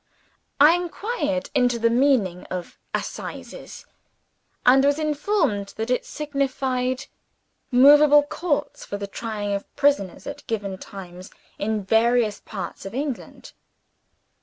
I inquired into the meaning of "Assizes," and was informed that it signified movable Courts, for trying prisoners at given times, in various parts of England.